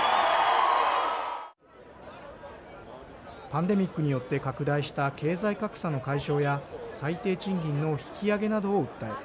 パンデミックによって拡大した経済格差の解消や最低賃金の引き上げなどを訴え